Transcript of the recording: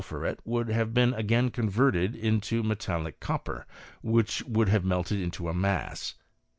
phuret would have been again converted into metallic copper, which would have melted into a mass.